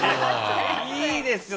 いいですよ